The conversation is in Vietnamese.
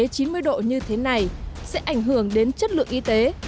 sát khuẩn y tế chín mươi độ như thế này sẽ ảnh hưởng đến chất lượng y tế